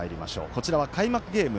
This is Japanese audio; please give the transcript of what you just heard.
こちらは、開幕ゲーム